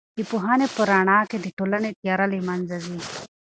د پوهنې په رڼا کې د ټولنې تیاره له منځه ځي.